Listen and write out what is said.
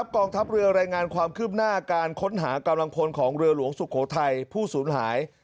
กองทัพเรือรายงานความคืบหน้าการค้นหากำลังพลของเรือหลวงสุโขทัยผู้สูญหาย